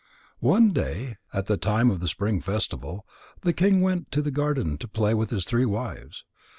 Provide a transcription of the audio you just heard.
One day at the time of the spring festival, the king went to the garden to play with his three wives.